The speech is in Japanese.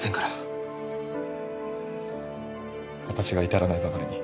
わたしが至らないばかりに。